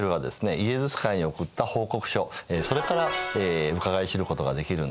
イエズス会に送った報告書それからうかがい知ることができるんですね。